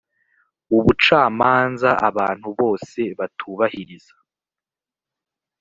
ubucamanza abantu bose batubahiriza